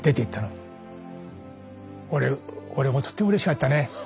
俺もとってもうれしかったね。